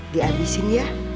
di abisin ya